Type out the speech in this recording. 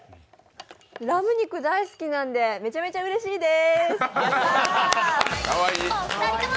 ラム肉大好きなのでめちゃめちゃうれしいです！